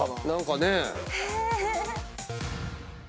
何かね。